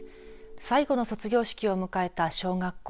最後の卒業式を迎えた小学校。